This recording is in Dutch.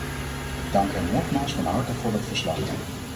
Ik dank hem nogmaals van harte voor dat verslag.